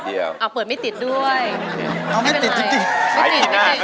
ด้านล่างเขาก็มีความรักให้กันนั่งหน้าตาชื่นบานมากเลยนะคะ